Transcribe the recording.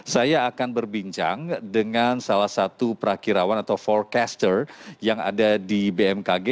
saya akan berbincang dengan salah satu prakirawan atau forecaster yang ada di bmkg